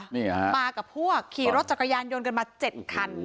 มากับพวกขี่รถจักรยานโยนกันมา๗คัน